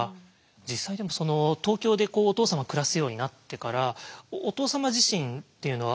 実際その東京でお父様暮らすようになってからお父様自身っていうのは。